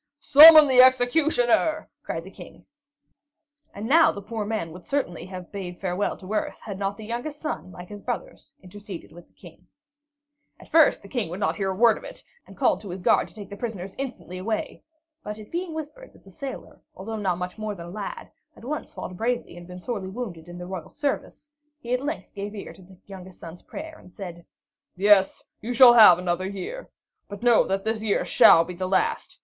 "Summon the executioner!" cried the King. And now the poor man would certainly have bade farewell to earth, had not the youngest son, like his brothers, interceded with the King. At first the King would hear not a word of it, and called to his guard to take the prisoners instantly away; but it being whispered that the sailor, although not much more than a lad, had once fought bravely and been sorely wounded in the royal service, he at length gave ear to the youngest son's prayer and said: "Yes, you shall have another year. But know that this year shall be the last.